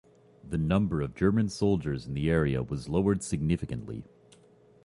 The number of German soldiers in the area was lowered significantly.